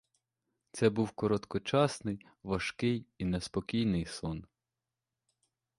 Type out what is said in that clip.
Це був короткочасний, важкий і неспокійний сон.